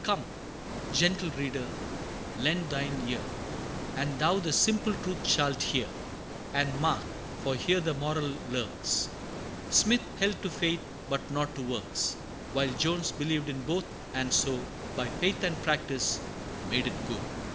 Come, gentle reader, lend thine ear, And thou the simple truth shalt hear; And mark, for here the moral lurks, Smith held to faith, but not to works; While Jones believed in both, and so, By faith and practice, made it go!